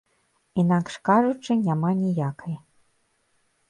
Інакш кажучы, няма ніякай.